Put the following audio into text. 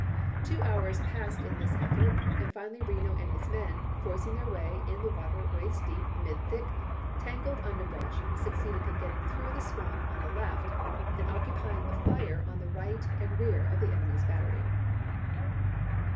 Two hours passed in this effort, and finally Reno and his men, forcing their way in the water waist deep amid thick, tangled under brush, succeeded in getting through the swamp on the left and opening a fire on the right and rear of the enemy's battery.